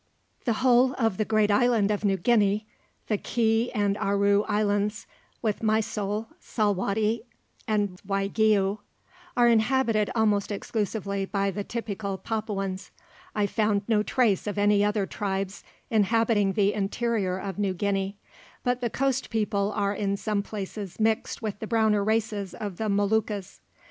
The whole of the great island of New Guinea, the Ke and Aru Islands, with Mysol, Salwatty, and Waigiou, are inhabited almost exclusively by the typical Papuans. I found no trace of any other tribes inhabiting the interior of New Guinea, but the coast people are in some places mixed with the browner races of the Moluccas.